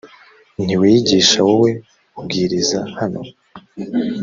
ntiwiyigisha wowe ubwiriza hano